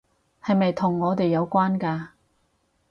係咪同我哋有關㗎？